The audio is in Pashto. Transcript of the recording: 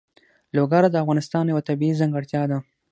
لوگر د افغانستان یوه طبیعي ځانګړتیا ده.